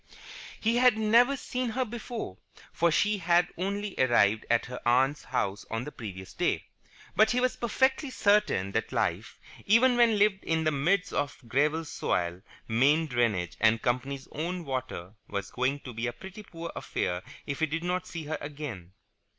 He had never seen her before, for she had only arrived at her aunt's house on the previous day, but he was perfectly certain that life, even when lived in the midst of gravel soil, main drainage, and company's own water, was going to be a pretty poor affair if he did not see her again.